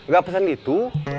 gak pesan gitu